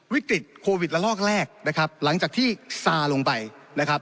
วิกฤตโควิดละลอกแรกนะครับหลังจากที่ซาลงไปนะครับ